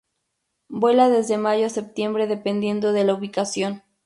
Vuela desde mayo a septiembre, dependiendo de la ubicación.